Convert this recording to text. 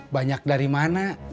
banyak dari mana